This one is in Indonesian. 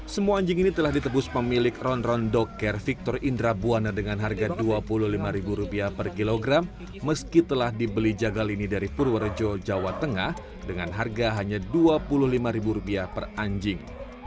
semua anjing ini telah ditebus pemilik ron ron dok care victor indra buwana dengan harga rp dua puluh lima per kilogram meski telah dibeli jagal ini dari purworejo jawa tengah dengan harga hanya rp dua puluh lima per anjing